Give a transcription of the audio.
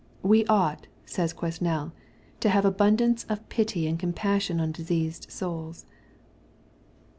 "We ought/' says Quesnel, " to have abundance of pity and compassion on diseased souls."